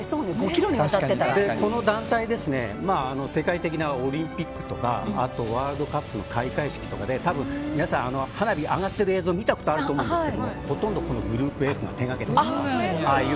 この団体世界的なオリンピックとかワールドカップの開会式とかで花火が上がっている映像を見たことあると思いますけどほとんどこのグループエフが手がけています。